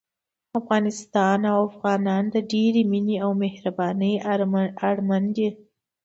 افغانستان او افغانان د ډېرې مينې او مهربانۍ اړمن دي